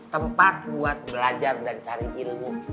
tempat buat belajar dan cari ilmu